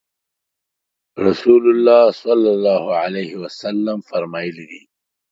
رسول الله صلی الله علیه وسلم فرمایلي دي